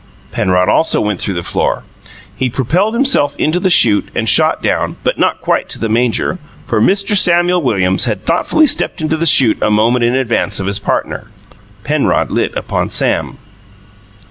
Penrod also went through the floor. He propelled himself into the chute and shot down, but not quite to the manger, for Mr. Samuel Williams had thoughtfully stepped into the chute a moment in advance of his partner. Penrod lit upon Sam.